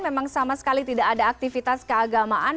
memang sama sekali tidak ada aktivitas keagamaan